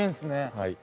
はい。